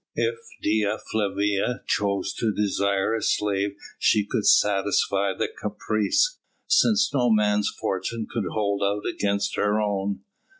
If Dea Flavia chose to desire a slave she could satisfy the caprice, since no man's fortune could hold out against her own.